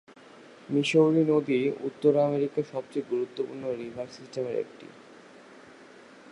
Missouri নদী উত্তর আমেরিকার সবচেয়ে গুরুত্বপূর্ণ রিভার সিস্টেমের একটি।